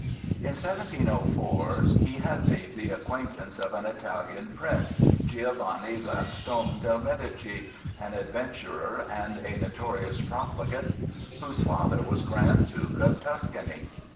In 1704 he had made the acquaintance of an Italian prince, Giovanni Gaston del Medici, an adventurer and a notorious profligate, whose father was Grand Duke of Tuscany.